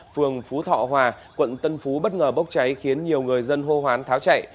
phường phú thọ hòa quận tân phú bất ngờ bốc cháy khiến nhiều người dân hô hoán tháo chạy